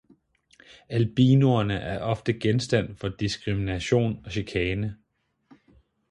Albinoerne er ofte genstand for diskrimination og chikane.